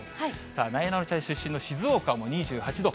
さあ、なえなのちゃん出身の静岡も２８度。